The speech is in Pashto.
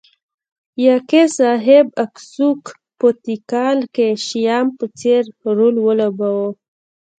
یاکس اهب اکسوک په تیکال کې شیام په څېر رول ولوباوه